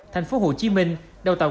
thành phố hồ chí minh đầu tàu